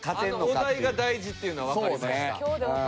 お題が大事っていうのはわかりました。